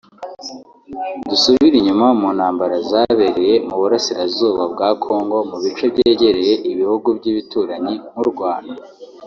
Dusubire inyuma mu ntambara zabereye mu burasirazuba bwa Congo mu bice byegereye ibihugu by’ibituranyi nk’U Rwanda